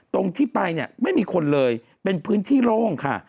ตรงที่ไปเนี่ยไม่มีคนเลยเป็นพื้นที่โล่งค่ะ